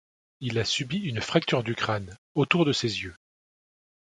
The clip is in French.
Il a subi une fracture du crâne, autour de ses yeux.